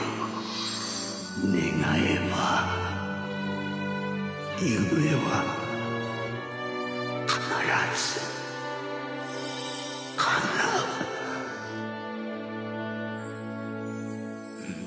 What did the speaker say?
願えば夢は必ずかなうんん。